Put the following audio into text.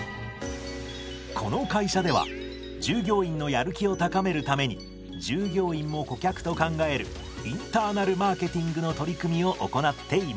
この会社では従業員のやる気を高めるために従業員も顧客と考えるインターナル・マーケティングの取り組みを行っています。